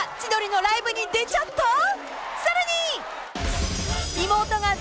［さらに］